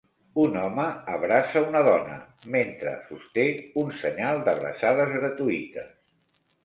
Un home abraça una dona mentre sosté un senyal d'abraçades gratuïtes.